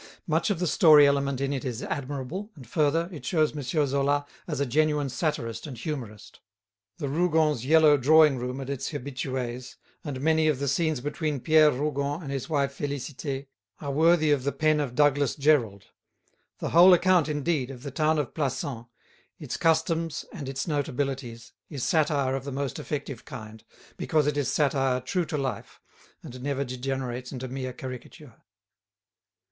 Much of the story element in it is admirable, and, further, it shows M. Zola as a genuine satirist and humorist. The Rougons' yellow drawing room and its habitués, and many of the scenes between Pierre Rougon and his wife Félicité, are worthy of the pen of Douglas Jerrold. The whole account, indeed, of the town of Plassans, its customs and its notabilities, is satire of the most effective kind, because it is satire true to life, and never degenerates into mere caricature.